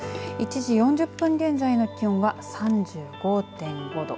１時４０分現在の気温は３５．５度。